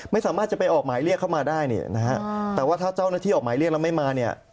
ไม่สามารถจะไปออกหมายเรียกเข้ามาได้เนี่ยนะฮะแต่ว่าถ้าเจ้าหน้าที่ออกหมายเรียกแล้วไม่มาเนี่ย